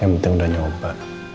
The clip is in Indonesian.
yang penting udah nyoba